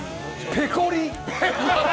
ペコリ。